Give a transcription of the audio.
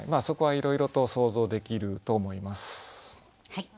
そこはいろいろと想像できると思います。